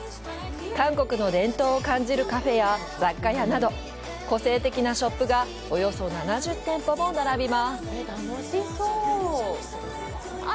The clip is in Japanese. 韓国の伝統を感じるカフェや雑貨屋など、個性的なショップがおよそ７０店舗も並びます。